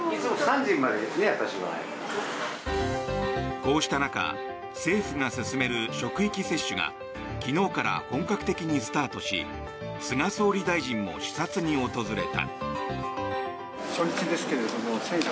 こうした中、政府が進める職域接種が昨日から本格的にスタートし菅総理大臣も視察に訪れた。